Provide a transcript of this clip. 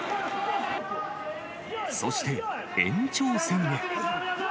そして、延長戦へ。